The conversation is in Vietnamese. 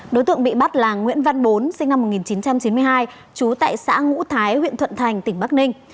đối tượng bị bắt là nguyễn văn bốn sinh năm một nghìn chín trăm chín mươi hai trú tại xã ngũ thái huyện thuận thành tỉnh bắc ninh